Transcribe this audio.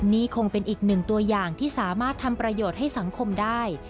นี่คงเป็นอีกหนึ่งตัวอย่างที่สามารถทำประโยชน์ให้สังคมได้